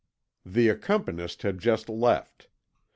The accompanist had just left.